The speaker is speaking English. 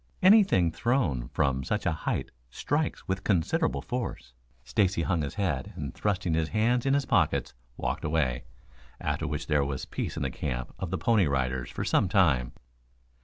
Anything thrown from such a height strikes with considerable force." Stacy hung his head, and thrusting his hands in his pockets walked away, after which there was peace in the camp of the Pony Riders for some time.